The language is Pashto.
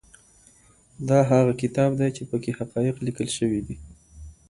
دا هغه کتاب دی چي په کي حقایق لیکل سوي دي.